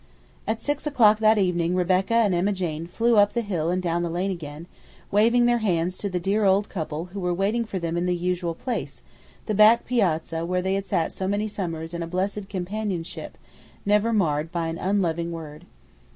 At six o'clock that evening Rebecca and Emma Jane flew up the hill and down the lane again, waving their hands to the dear old couple who were waiting for them in the usual place, the back piazza where they had sat so many summers in a blessed companionship never marred by an unloving word.